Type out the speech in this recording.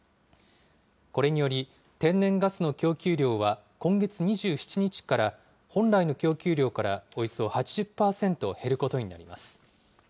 これにより、天然ガスの供給量は、今月２７日から本来の供給量からおよそ８０％減ることになります。